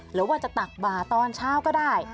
หรือว่าจะตักบ่าตอนเช้าก็ได้